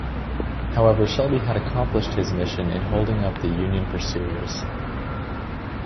However, Shelby had accomplished his mission in holding up the Union pursuers.